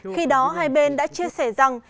khi đó hai bên đã chia sẻ rằng